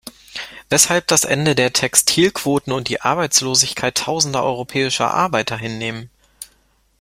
Weshalb das Ende der Textilquoten und die Arbeitslosigkeit tausender europäischer Arbeiter hinnehmen?